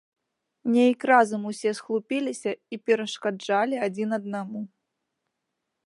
Нейк разам усе схлупіліся і перашкаджалі адзін аднаму.